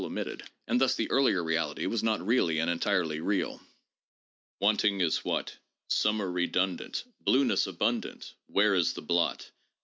269 omitted," and thus the 'earlier reality' was not really and entirely real. " Wanting is — what? Summer redundant, Blueness abundant, — Where is the blot?